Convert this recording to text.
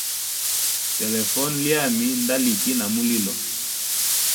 Telefone lyami nda liki na mulilo.